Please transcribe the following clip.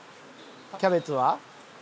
キャベツは？